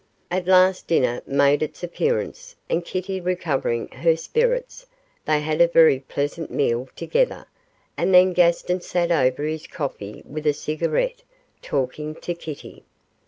At last dinner made its appearance, and Kitty recovering her spirits, they had a very pleasant meal together, and then Gaston sat over his coffee with a cigarette, talking to Kitty.